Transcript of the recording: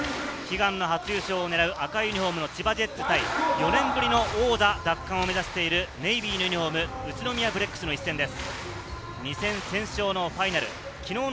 悲願の初優勝を狙う、赤ユニホームの千葉ジェッツ対４年ぶりの王座奪還を目指しているネイビーのユニホーム、宇都宮ブレックスの一戦です。